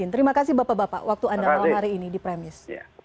terima kasih bapak bapak waktu anda malam hari ini di prime news